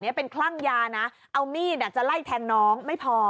เป็นคลั่งยานะเอามีดจะไล่แทงน้องไม่พอ